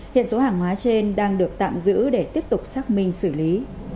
hiện số hàng hóa trên đang được tạm giữ để tiếp tục xác minh xử lý